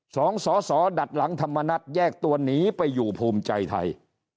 สองสอสอดัดหลังธรรมนัฐแยกตัวหนีไปอยู่ภูมิใจไทย